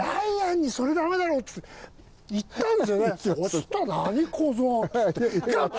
そしたら「何小僧！」っつってガッ！